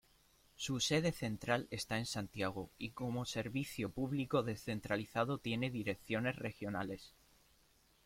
Su sede central está en Santiago y como servicio público descentralizado tiene Direcciones Regionales.